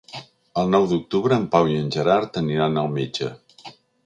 El nou d'octubre en Pau i en Gerard aniran al metge.